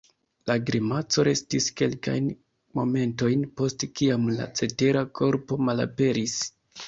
La grimaco restis kelkajn momentojn post kiam la cetera korpo malaperis.